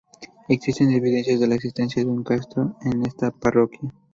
Existen evidencias de la existencia de un castro en esta parroquia.